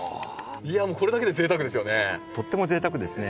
いやもうこれだけでぜいたくですよね。